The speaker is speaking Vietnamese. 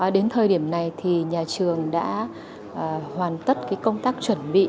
đến thời điểm này thì nhà trường đã hoàn tất công tác chuẩn bị